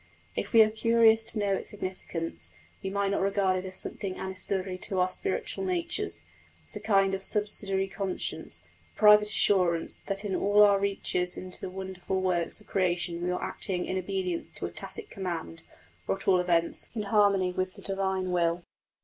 If we are curious to know its significance, might we not regard it as something ancillary to our spiritual natures, as a kind of subsidiary conscience, a private assurance that in all our researches into the wonderful works of creation we are acting in obedience to a tacit command, or, at all events in harmony with the Divine Will?